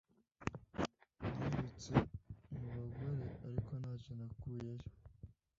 Nirutse mubagore ariko ntacy nakuyeyo